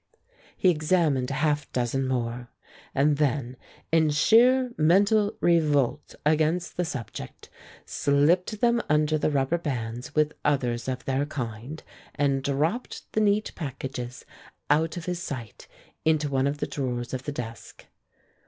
He examined a half dozen more, and then in sheer mental revolt against the subject, slipped them under the rubber bands with others of their kind and dropped the neat packages out of his sight into one of the drawers of the desk.